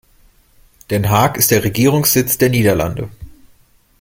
Den Haag ist der Regierungssitz der Niederlande.